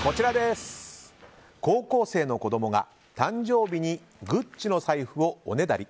高校生の子供が誕生日にＧＵＣＣＩの財布をおねだり。